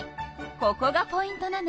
ここがポイントなの。